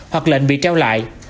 hoặc lệnh bị treo lại